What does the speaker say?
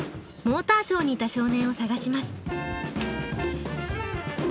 モーターショーにいた少年を探します。